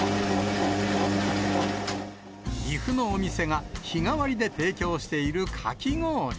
岐阜のお店が日替わりで提供しているかき氷。